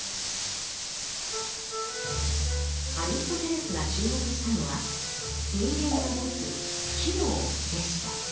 アリストテレスが注目したのは人間が持つ「機能」でした。